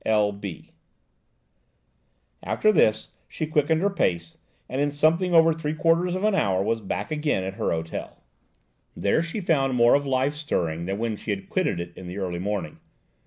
–L. B." After this, she quickened her pace, and in something over three quarters of an hour was back again at her hotel. THERE WAS TO BE A MEETING OF THE "SURREY STAGS." There she found more of life stirring than when she had quitted it in the early morning.